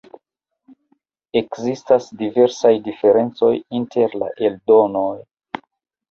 Ekzistas diversaj diferencoj inter la eldonoj.